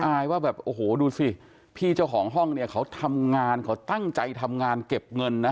อายว่าแบบโอ้โหดูสิพี่เจ้าของห้องเนี่ยเขาทำงานเขาตั้งใจทำงานเก็บเงินนะ